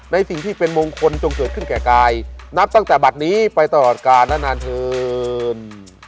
ในสิ่งที่เป็นมงคลจงเกิดขึ้นแก่กายนับตั้งแต่บัตรนี้ไปตลอดกาลและนานเถิน